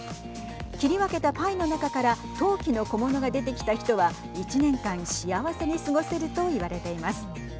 切り分けたパイの中から陶器の小物が出てきた人は１年間幸せに過ごせると言われています。